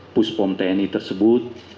puspom tni tersebut